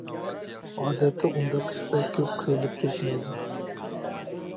ئادەتتە ئۇنداق ئىش بەك كۆپ كۆرۈلۈپ كەتمەيدۇ.